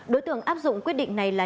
đối tượng áp dụng quyết định này là